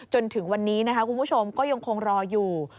จนถึงวันนี้นะคะคุณผู้ชมก็ยังคงรออยู่